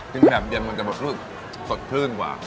จิ้มแบบเดียวมันจะบดรูปสดทื่นกว่า